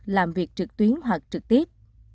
làm việc trực tuyến hoặc trực tiếp